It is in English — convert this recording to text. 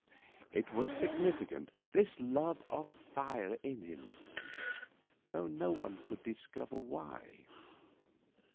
It was significant, this love of fire in him, though no one could discover why.